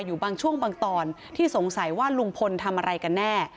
อยู่บางช่วงบางตอนที่สงสัยว่าลุงพลทำอะไรกันแน่